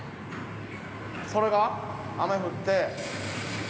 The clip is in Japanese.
それが雨降って。